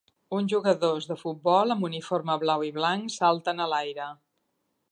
Uns jugadors de futbol amb uniforme blau i blanc salten a l'aire